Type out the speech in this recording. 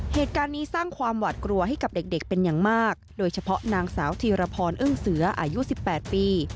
เหตุการณ์นี้สร้างความหวัดกลัวให้กับเด็กเป็นอย่างมากโดยเฉพาะนางสาวธีรพรอึ้งเสืออายุ๑๘ปี